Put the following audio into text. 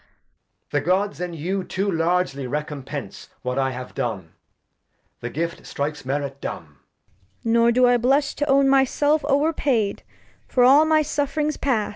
The Gods and you too largely Recompence What I have done ; the Gift strikes Merit dumb. Act v] King Lear 253 Cofd. Nor do I blush to own my Self o'er paid For all my Suff'rings past.